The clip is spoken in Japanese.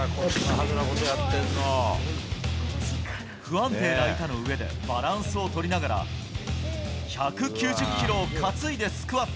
不安定な板の上でバランスを取りながら、１９０キロを担いでスクワット。